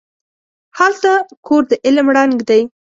هلته کور د علم ړنګ دی